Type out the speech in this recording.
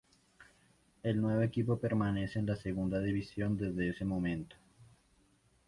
El nuevo equipo permanece en la segunda división desde ese momento.